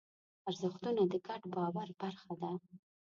ارزښتونه د ګډ باور برخه ده.